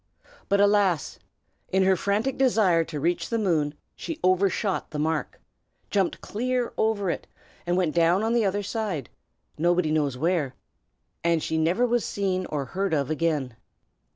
But, alas! in her frantic desire to reach the moon she overshot the mark; jumped clear over it, and went down on the other side, nobody knows where, and she never was seen or heard of again.